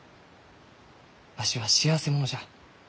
わしは幸せ者じゃ。